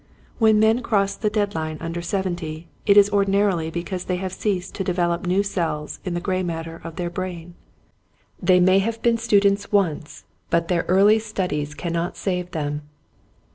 When men cross the deadline under seventy it is ordinarily because they have ceased to develop new cells in the gray matter of their brain. They may have been students once but their early studies cannot save them.